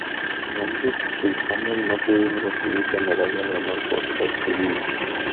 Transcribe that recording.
Andrews y Campbell no pudieron recibir la medalla de honor por ser civiles.